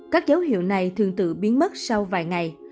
các dấu hiệu này thường tự biến mất sau vài ngày